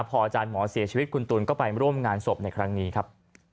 พออาจารย์หมอเสียชีวิตคุณตูนก็ไปร่วมงานศพในครั้งนี้ครับ